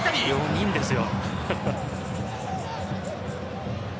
４人ですよ。